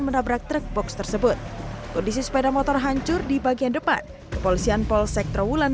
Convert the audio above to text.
menabrak truk box tersebut kondisi sepeda motor hancur di bagian depan kepolisian polsek trawulan